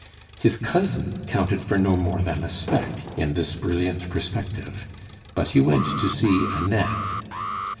His cousin counted for no more than a speck in this brilliant perspective; but he went to see Annette.